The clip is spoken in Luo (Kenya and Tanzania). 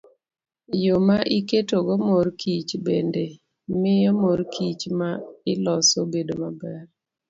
Yo ma iketogo mor kich bende miyo mor kich ma iloso bedo maber.